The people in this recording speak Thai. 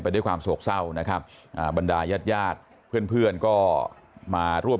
ไปด้วยความโสขเศร้านะครับบรรดาญาติญาติเพื่อนก็มาร่วม